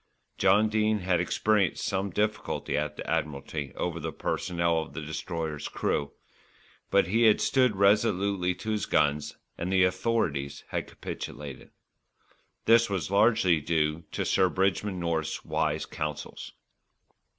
John Dene had experienced some difficulty at the Admiralty over the personnel of the Destroyer's crew; but he had stood resolutely to his guns, and the Authorities had capitulated. This was largely due to Sir Bridgman North's wise counsels.